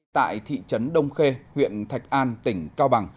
tại thị trấn đông khê huyện thạch an tỉnh cao bằng